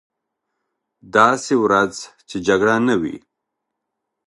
داسې ورځ چې جګړه نه وي.